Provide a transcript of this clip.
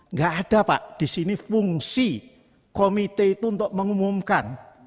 nggak ada pak di sini fungsi komite itu untuk mengumumkan